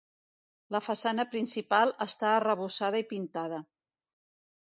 La façana principal està arrebossada i pintada.